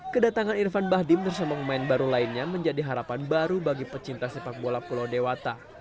kedatangan irfan bahdim bersama pemain baru lainnya menjadi harapan baru bagi pecinta sepak bola pulau dewata